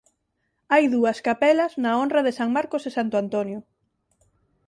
Hai dúas capelas na honra de san Marcos e santo Antonio.